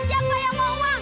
siapa yang mau uang